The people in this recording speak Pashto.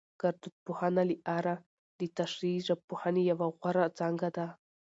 ګړدود پوهنه له اره دتشريحي ژبپوهنې يوه غوره څانګه ده